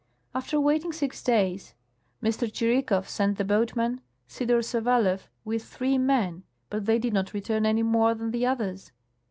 After waiting six days, M. Tschirikow sent the boatman, Sidor Sawelef, Avith three men, but they did not return any more than the others.